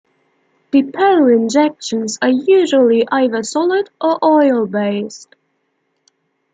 Depot injections are usually either solid or oil-based.